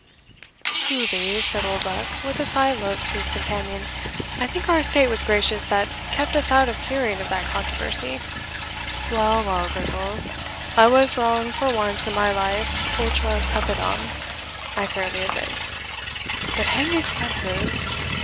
"Truly," said Oldbuck (with a sly look to his companion), "I think our estate was gracious that kept us out of hearing of that controversy. Well, well, Grizel, I was wrong for once in my life ultra crepidam I fairly admit. But hang expenses!